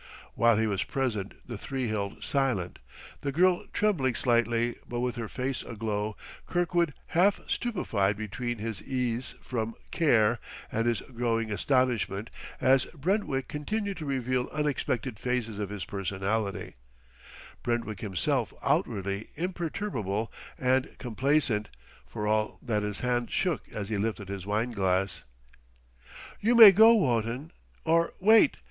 While he was present the three held silent the girl trembling slightly, but with her face aglow; Kirkwood half stupefied between his ease from care and his growing astonishment, as Brentwick continued to reveal unexpected phases of his personality; Brentwick himself outwardly imperturbable and complacent, for all that his hand shook as he lifted his wine glass. "You may go, Wotton or, wait.